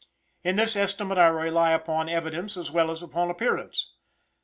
In this estimate I rely upon evidence as well as upon appearance.